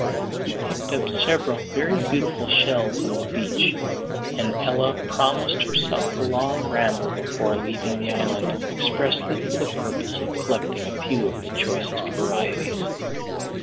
We picked up several very beautiful shells on the beach, and Ella promised herself a long ramble before leaving the island, expressly for the purpose of collecting a few of the choicest varieties.